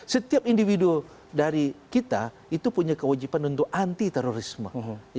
setiap individu dari kita itu punya kewajiban untuk anti terorisme